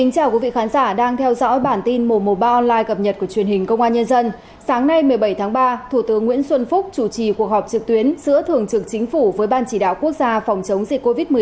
cảm ơn các bạn đã theo dõi